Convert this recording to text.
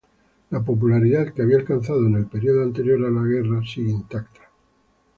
La popularidad que había alcanzado en el período anterior a la guerra sigue intacta.